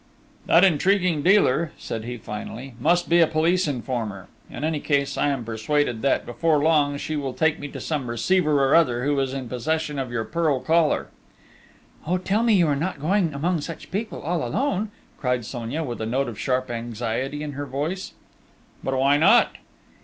"That intriguing dealer," said he finally, "must be a police informer.... In any case, I am persuaded that, before long, she will take me to some receiver or other who is in possession of your pearl collar." "Oh, tell me you are not going among such people, all alone?" cried Sonia, with a note of sharp anxiety in her voice. "But, why not?"